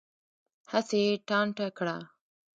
هسې یې ټانټه کړه.